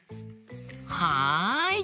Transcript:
はい！